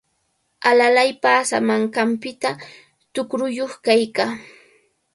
Alalay paasamanqanpita tuqruyuq kaykaa.